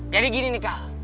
jadi gini nih kal